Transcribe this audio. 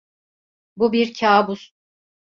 Bu bir kabus.